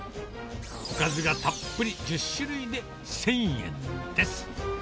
おかずがたっぷり１０種類で１０００円です。